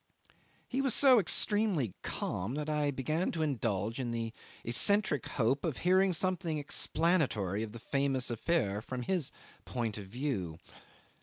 He was so extremely calm, that I began to indulge in the eccentric hope of hearing something explanatory of the famous affair from his point of view.